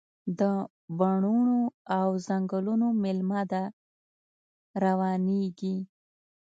د بڼوڼو او ځنګلونو میلمنه ده، روانیږي